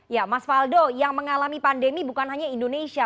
ya mas faldo yang mengalami pandemi bukan hanya indonesia